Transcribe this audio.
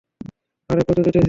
আরে, কচু জিতেছিস!